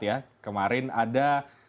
ya kemarin ada